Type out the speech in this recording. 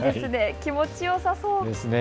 気持ちよさそうです。